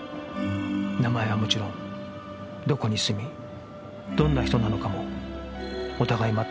名前はもちろんどこに住みどんな人なのかもお互い全くわかりません